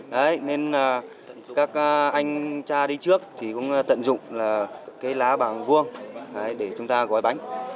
đấy nên các anh cha đi trước thì cũng tận dụng là cái lá bảng vuông để chúng ta gói bánh